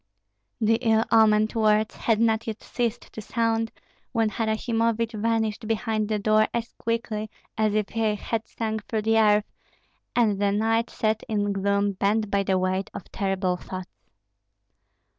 The ill omened words had not yet ceased to sound when Harasimovich vanished behind the door as quickly as if he had sunk through the earth, and the knights sat in gloom bent by the weight of terrible thoughts.